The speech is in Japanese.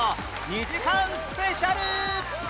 ２時間スペシャル